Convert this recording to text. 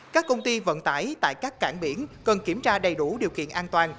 các công ty vận tải tại các cảng biển cần kiểm tra đầy đủ điều kiện an toàn